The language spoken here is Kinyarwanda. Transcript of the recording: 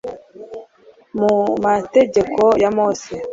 mu mategeko ya mose